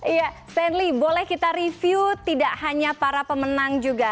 iya stanley boleh kita review tidak hanya para pemenang juga